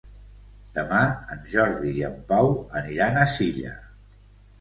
Demà en Jordi i en Pau aniran a Silla.